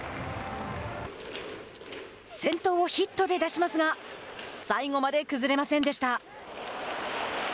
先頭をヒットで出しますが最後まで崩れませんでした。